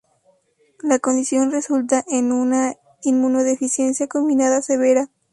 La condición resulta en una inmunodeficiencia combinada severa.